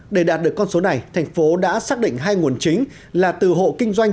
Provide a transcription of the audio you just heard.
để đạt được con số này tp hcm đã xác định hai nguồn chính là từ hộ kinh doanh